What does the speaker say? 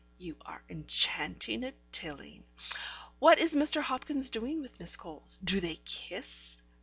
You are enchanting at Tilling. What is Mr. Hopkins doing with Miss Coles? Do they kiss?